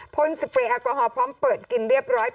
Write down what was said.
พ่นสเปรย์แอลกอฮอลพร้อมเปิดกินเรียบร้อย